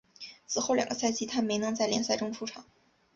此后两个赛季他没能在联赛中出场。